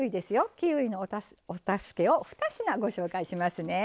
キウイのお助けを２品ご紹介しますね。